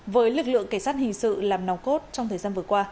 với lực lượng cảnh sát hình sự làm nòng cốt trong thời gian vừa qua